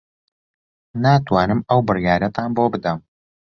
ناتوانم ئەو بڕیارەتان بۆ بدەم.